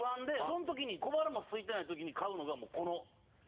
その時に小腹もすいてない時に買うのがもうこのパン。